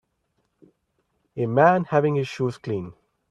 A man having his shoes cleaned.